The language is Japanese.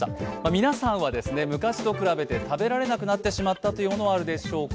皆さんは昔と比べて食べられなくなってしまったというものはあるでしょうか？